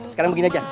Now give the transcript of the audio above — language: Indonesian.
sekarang begini aja